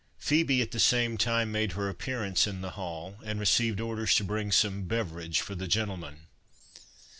Phœbe at the same time made her appearance in the hall, and received orders to bring some "beverage" for the gentlemen.